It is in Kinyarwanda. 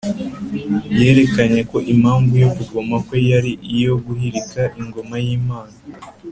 Yerekanye ko impamvu yo kugoma kwe yari iyo guhirika Ingoma y’Imana,